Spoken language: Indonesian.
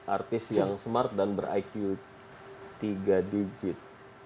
artis yang smart dan ber iq tiga digit